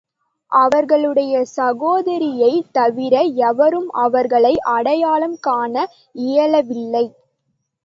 அவர்களுடைய சகோதரியைத் தவிர எவரும் அவர்களை அடையாளம் காண இயலவில்லை.